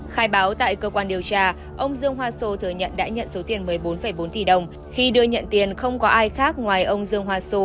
khai báo tại cơ quan điều tra ông dương hoa sô thừa nhận đã nhận số tiền một mươi bốn bốn tỷ đồng khi đưa nhận tiền không có ai khác ngoài ông dương hoa sô